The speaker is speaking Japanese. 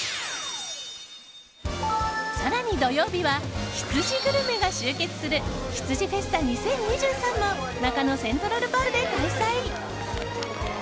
更に土曜日は羊グルメが集結する「羊フェスタ２０２３」も中野セントラルパークで開催！